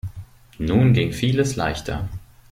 Nun ging vieles leichter.